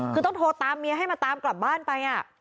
คือต้องโทรตามเมียให้มาตามกลับบ้านไป